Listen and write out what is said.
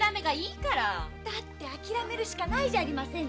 だってあきらめるしかないじゃありませんか。